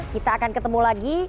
kita akan ketemu lagi